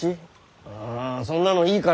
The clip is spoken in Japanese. あそんなのいいから。